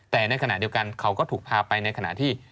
แต่ในขณะเดียวกันเขาก็ถูกพาไปในขณะที่